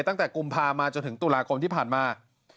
ตั้งแต่กุมภามาจนถึงตุลากรมที่ผ่านมา